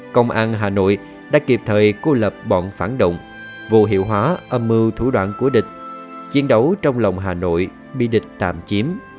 công an hà nội đã kịp thời cô lập bọn phản động vô hiệu hóa âm mưu thủ đoạn của địch chiến đấu trong lòng hà nội bị địch tạm chiếm